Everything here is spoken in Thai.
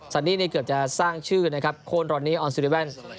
สันนี่นี่เกือบจะสร้างชื่อนะครับโค้นรอนนี้ออนซิริแว่น